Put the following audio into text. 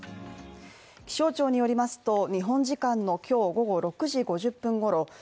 気象庁によりますと、日本時間の今日午後６時５０分ごろ